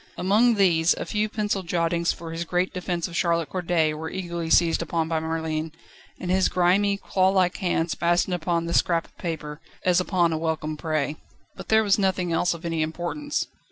Among these, a few pencil jottings for his great defence of Charlotte Corday were eagerly seized upon by Merlin, and his grimy, clawlike hands fastened upon this scrap of paper, as upon a welcome prey. But there was nothing else of any importance.